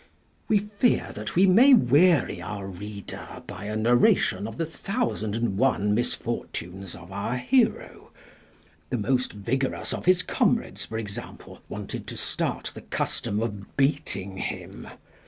We fear that we may weary our reader by a narration of the thousand and one misfortunes of our hero. The most vigorous of his comrades, for example, wanted to start the custom of beating him.